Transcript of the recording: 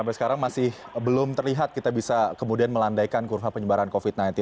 sampai sekarang masih belum terlihat kita bisa kemudian melandaikan kurva penyebaran covid sembilan belas